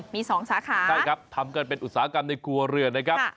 มี๒สาขาใช่ครับทำกันเป็นอุตสาหกรรมในครัวเรือนนะครับ